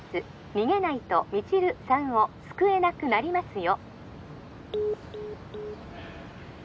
☎逃げないと未知留さんを救えなくなりますよ